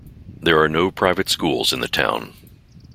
There are no private schools in the town.